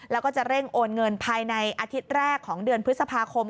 แล้วก็จะเร่งโอนเงินภายในอาทิตย์แรกของเดือนพฤษภาคม